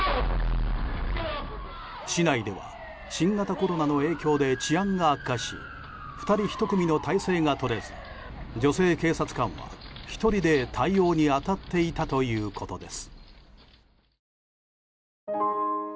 市内では、新型コロナの影響で治安が悪化し２人１組の態勢が取れず女性警察官は、１人で対応に当たっていたということです。